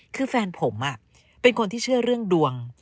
คือแฟนผมเป็นคนที่เชื่อเรื่องดวง